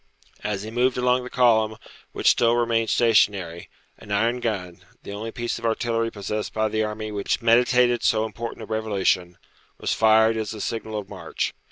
As he moved along the column, which still remained stationary, an iron gun, the only piece of artillery possessed by the army which meditated so important a revolution, was fired as the signal of march.